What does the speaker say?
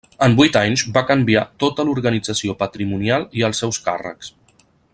En vuit anys va canviar tota l'organització patrimonial i els seus càrrecs.